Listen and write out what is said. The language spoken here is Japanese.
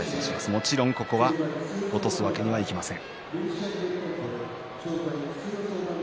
もちろんここを落とすわけにはいきません。